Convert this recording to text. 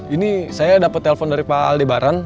ini saya dapet telepon dari pak aldebaran